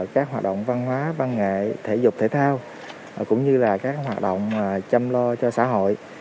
các hoạt động văn hóa văn nghệ thể dục thể thao cũng như là các hoạt động chăm lo cho xã hội